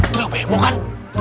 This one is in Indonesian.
terlalu bebo kan